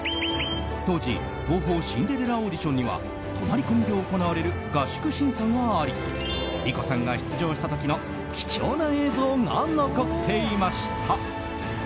当時、東宝シンデレラオーディションには泊まり込みで行われる合宿審査があり莉子さんが出場した時の貴重な映像が残っていました。